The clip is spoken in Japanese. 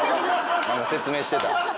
説明してた。